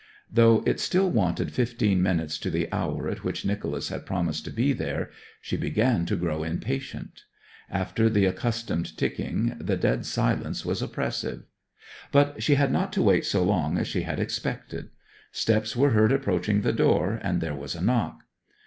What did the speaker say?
Though it still wanted fifteen minutes to the hour at which Nicholas had promised to be there, she began to grow impatient. After the accustomed ticking the dead silence was oppressive. But she had not to wait so long as she had expected; steps were heard approaching the door, and there was a knock.